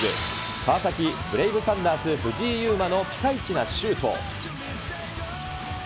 川崎ブレイブサンダース、藤井ゆうまのピカイチなシュート。